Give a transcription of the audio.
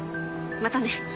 またね。